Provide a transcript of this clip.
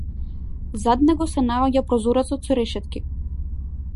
Зад него се наоѓа прозорец со решетки.